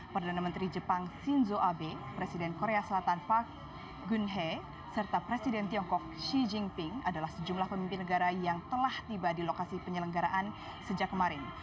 perdana menteri jepang shinzo abe presiden korea selatan park gun hei serta presiden tiongkok xi jinping adalah sejumlah pemimpin negara yang telah tiba di lokasi penyelenggaraan sejak kemarin